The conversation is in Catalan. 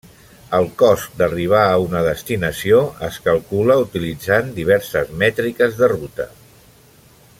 El cost d'arribar a una destinació es calcula utilitzant diverses mètriques de ruta.